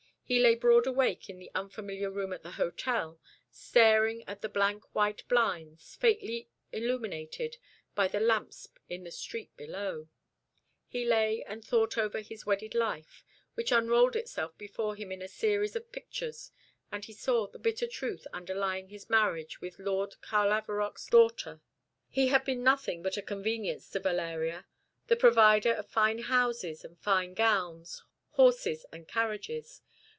He lay broad awake in the unfamiliar room at the hotel, staring at the blank white blinds, faintly illuminated by the lamps in the street below he lay and thought over his wedded life, which unrolled itself before him in a series of pictures, and he saw the bitter truth underlying his marriage with Lord Carlavarock's daughter. He had been nothing but a convenience to Valeria, the provider of fine houses and fine gowns, horses and carriages.